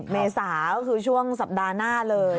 ๑๙๒๐เมษาคือช่วงสัปดาห์หน้าเลย